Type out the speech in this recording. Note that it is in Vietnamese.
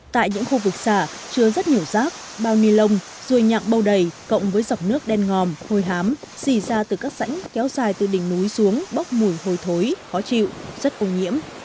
tại những khu vực xả chứa rất nhiều rác bao nilon ruồi nhạc bâu đầy cộng với dọc nước đen ngòm hồi hám xỉ ra từ các sảnh kéo dài từ đỉnh núi xuống bóc mùi hồi thối khó chịu rất ô nhiễm